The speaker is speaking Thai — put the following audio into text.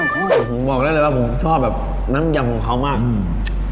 เขาบอกผมบอกได้เลยว่าผมชอบแบบน้ำยำของเขามากอืม